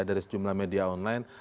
dari sejumlah media online